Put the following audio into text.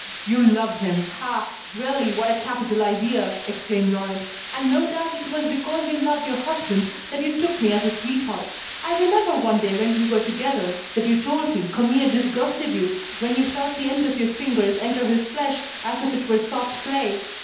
"You loved him! Ah! Really what a capital idea," exclaimed Laurent. "And no doubt it was because you loved your husband, that you took me as a sweetheart. I remember one day when we were together, that you told me Camille disgusted you, when you felt the end of your fingers enter his flesh as if it were soft clay.